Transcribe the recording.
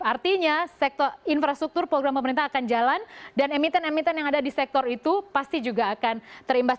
artinya sektor infrastruktur program pemerintah akan jalan dan emiten emiten yang ada di sektor itu pasti juga akan terimbas